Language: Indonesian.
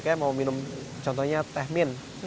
mereka mau minum contohnya teh mint